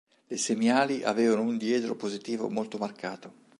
Le semiali avevano un diedro positivo molto marcato.